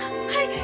はい。